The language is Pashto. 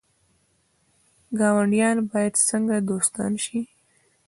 ګاونډیان باید څنګه دوستان شي؟